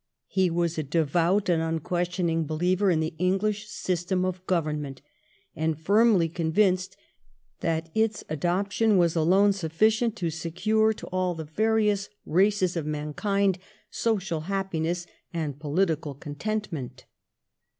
He was a devout and unquestioning believer in the English system of Government, and firmly convinced that its adoption was alone sufficient to secure to all the various races of mankind social happiness and political contentment.